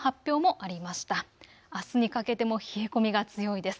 あすにかけても冷え込みが強いです。